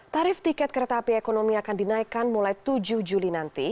tarif tiket kereta api ekonomi akan dinaikkan mulai tujuh juli nanti